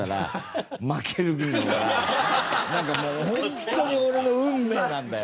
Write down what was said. なんかもう本当に俺の運命なんだよ。